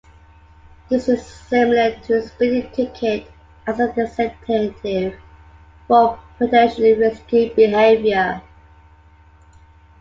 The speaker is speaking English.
This is similar to a speeding ticket as a disincentive for potentially risky behaviour.